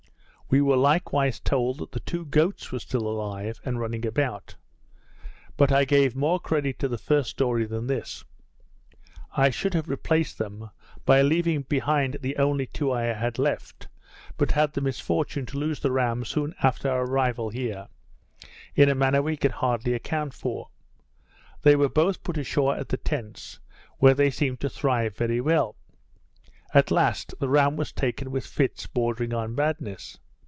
We were likewise told, that the two goats were still alive, and running about; but I gave more credit to the first story than this. I should have replaced them, by leaving behind the only two I had left, but had the misfortune to lose the ram soon after our arrival here, in a manner we could hardly account for. They were both put ashore at the tents, where they seemed to thrive very well; at last, the ram was taken with fits bordering on madness.